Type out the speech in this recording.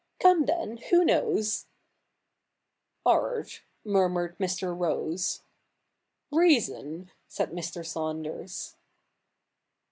Come then, who knows ?'' Art," murmured Mr. Rose. ' Reason,' said Mr. Saunders.